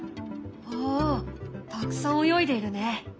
おおたくさん泳いでいるね。